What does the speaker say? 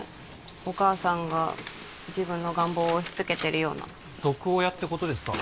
お母さんが自分の願望を押しつけてるような毒親ってことですか？